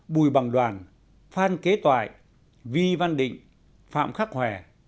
bùi bằng đoàn phan kế toại vi văn định phạm khắc hòe